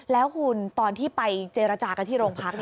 แล้วคุณตอนที่ไปเจรจากันที่โรงพัก